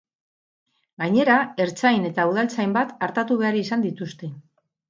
Gainera, ertzain eta udaltzain bat artatu behar izan dituzte.